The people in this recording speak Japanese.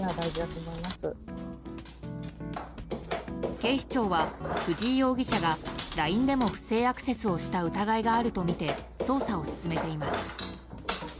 警視庁は、藤井容疑者がＬＩＮＥでも不正アクセスをした疑いがあるとみて捜査を進めています。